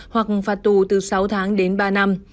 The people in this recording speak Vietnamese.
hoặc phạt tù từ sáu tháng đến ba năm